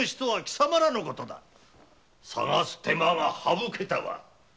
捜す手間が省けたわ。